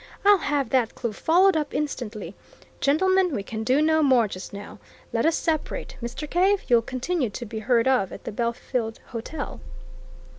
I'll have that clue followed up instantly! Gentlemen, we can do no more just now let us separate. Mr. Cave you'll continue to be heard of at the Belfield Hotel?"